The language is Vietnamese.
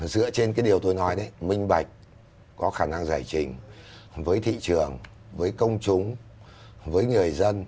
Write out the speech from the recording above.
dựa trên cái điều tôi nói đấy minh bạch có khả năng giải trình với thị trường với công chúng với người dân